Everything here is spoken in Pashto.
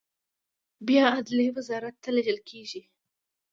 بیا عدلیې وزارت ته لیږل کیږي.